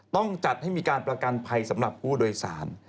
ต้องจัดให้มีการประกันภัยสำหรับผู้โดยสาร